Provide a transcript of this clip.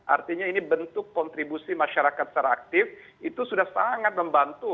artinya ini bentuk kontribusi masyarakat secara aktif itu sudah sangat membantu